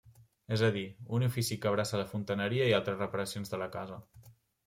És a dir, un ofici que abraça la fontaneria i altres reparacions de la casa.